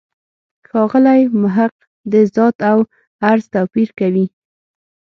ښاغلی محق د «ذات» او «عرض» توپیر کوي.